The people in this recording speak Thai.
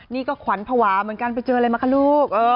นี่ก็ขวัญภาวะเหมือนกันไปเจออะไรมาคะลูก